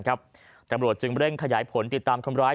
กรรมรวจจึงเร่งขยายผลติดตามความร้าย